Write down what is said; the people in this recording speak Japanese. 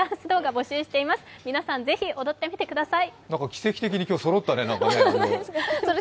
奇跡的に今日そろったね。